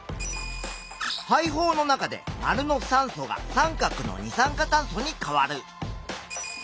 肺胞の中で●の酸素が▲の二酸化炭素に変わる。